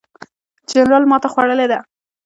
جنرال ماته خوړلې ده.